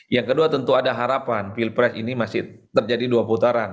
yang kedua tentu ada harapan pilpres ini masih terjadi dua putaran